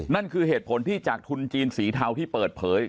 นั่นคือเหตุผลที่จากทุนจีนสีเทาที่เปิดเผย